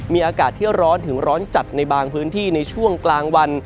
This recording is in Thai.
มีอากาศที่ร้อนถึงร้อนจัดในบางพื้นที่ในช่วงกลางวัน